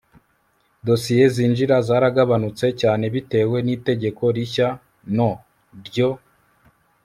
dosiye zinjira zaragabanutse cyane bitewe n itegeko rishya no ryo